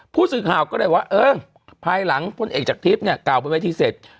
ผู้สื่อข่าวก็เลยว่าเออภายหลังพลเอกจากทิพย์เนี่ยกล่าวบนเวทีเสร็จ